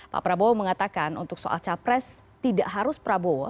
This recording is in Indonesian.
pak prabowo mengatakan untuk soal capres tidak harus prabowo